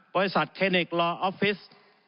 บริษัทเทเนคลอร์ออฟฟิศ